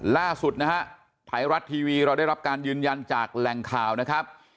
ล่าสุดนะฮะไทยรัฐทีวีเราได้รับการยืนยันจากแหล่งข่าวนะครับ